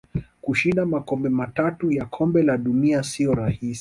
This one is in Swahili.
Kushinda makombe matatu ya kombe la dunia siyo rahisi